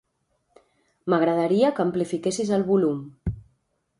M'agradaria que amplifiquessis el volum.